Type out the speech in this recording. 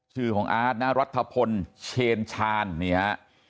ชื่อของอาร์ตนะรัฐพลเชนชาญนี่ฮะ